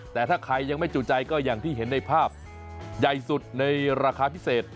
แต่ถ้าใครยังไม่จุใจก็อย่างที่เห็นในภาพใหญ่สุดในราคาพิเศษ